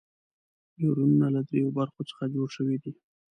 نیورونونه له دریو برخو څخه جوړ شوي دي.